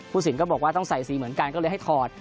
สินก็บอกว่าต้องใส่สีเหมือนกันก็เลยให้ถอด